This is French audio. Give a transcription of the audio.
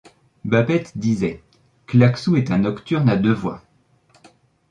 Babet disait: Claquesous est un nocturne à deux voix.